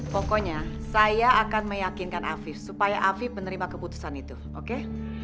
pokoknya saya akan meyakinkan afif supaya afif menerima keputusan itu oke